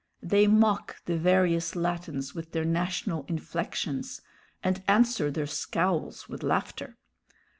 They mock the various Latins with their national inflections, and answer their scowls with laughter.